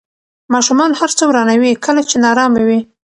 ماشومان هر څه ورانوي کله چې نارامه وي.